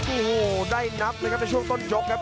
โอ้โหได้นับเลยครับในช่วงต้นยกครับ